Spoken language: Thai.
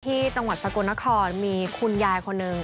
จังหวัดสกลนครมีคุณยายคนหนึ่ง